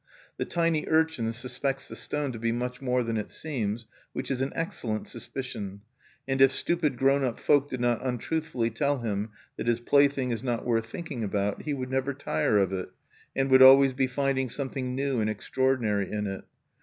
The tiny urchin suspects the stone to be much more than it seems, which is an excellent suspicion; and if stupid grown up folk did not untruthfully tell him that his plaything is not worth thinking about, he would never tire of it, and would always be finding something new and extraordinary in it.